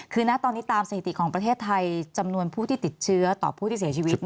คือนะตอนนี้ตามสถิติของประเทศไทยจำนวนผู้ที่ติดเชื้อต่อผู้ที่เสียชีวิต